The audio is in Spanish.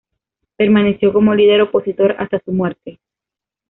Permaneció como líder opositor hasta su muerte.